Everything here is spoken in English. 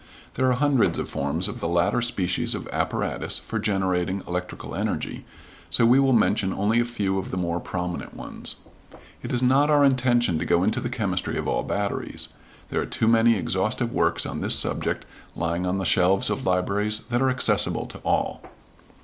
There are hundreds of forms of the latter species of apparatus for generating electrical energy, so we will mention only a few of the more prominent ones. It is not our intention to go into the chemistry of batteries. There are too many exhaustive works on this subject lying on the shelves of libraries that are accessible to all.